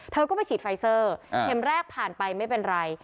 เธอก็ไปฉีดไฟเซอร์เข็มแรกผ่านไปไม่เป็นไร